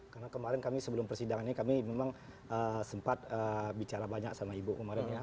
karena kemarin kami sebelum persidangannya kami memang sempat bicara banyak sama ibu kemarin ya